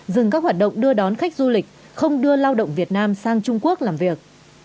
dừng các hoạt động đưa đón khách du lịch không đưa lao động việt nam sang trung quốc làm việc